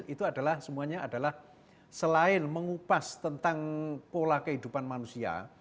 itu adalah semuanya adalah selain mengupas tentang pola kehidupan manusia